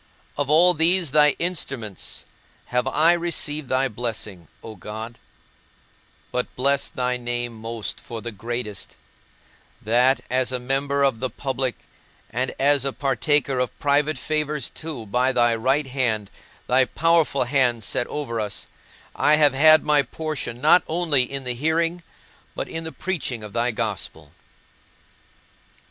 Of all these thy instruments have I received thy blessing, O God; but bless thy name most for the greatest; that, as a member of the public, and as a partaker of private favours too, by thy right hand, thy powerful hand set over us, I have had my portion not only in the hearing, but in the preaching of thy Gospel.